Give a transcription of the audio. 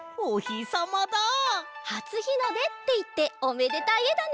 「はつひので」っていっておめでたいえだね。